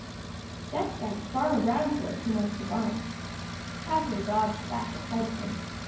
Just then Farmer Brown's boy came out of the barn. Chatterer dodged back at sight of him.